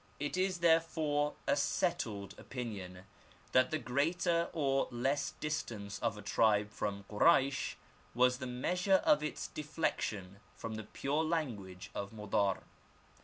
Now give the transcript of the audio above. It is therefore a 14 The Arabic Language. settled opinion, that the greater or less distance of a tribe from Koraysh was the measure of its deflection from the pure lan guage of Modar.